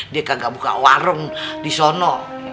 dia kagak buka warung di sana